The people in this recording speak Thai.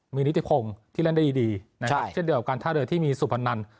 มีนิธิภงที่เล่นได้ดีดีใช่เช่นเดียวกับการทาเรียสที่มีสุพรนันติ์